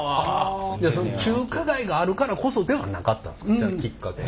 じゃあ中華街があるからこそではなかったんですか。きっかけ。